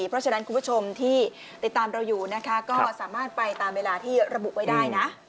เพราะฉะนั้นคุณผู้ชมที่ติดตามเราอยู่นะคะก็สามารถไปตามเวลาที่ระบุไว้ได้นะ